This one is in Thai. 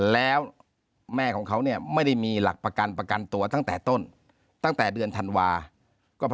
แล้วแม่ของเขาเนี่ยไม่ได้มีหลักประกันประกันตัวตั้งแต่ต้นตั้งแต่เดือนธันวาคม